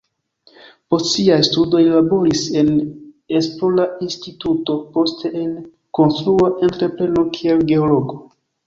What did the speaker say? Post siaj studoj li laboris en esplora instituto, poste en konstrua entrepreno kiel geologo.